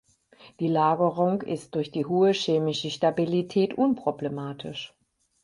Die Lagerung ist durch die hohe chemische Stabilität unproblematisch.